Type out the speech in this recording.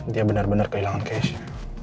dia benar benar kehilangan cashnya